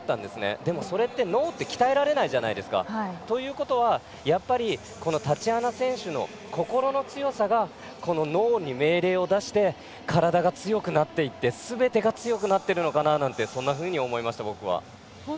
でも、脳って鍛えられないじゃないですか。ということは、やっぱりタチアナ選手の心の強さが、脳に命令を出して体が強くなっていってすべてが強くなっているのかなってそんなふうに思いました僕は。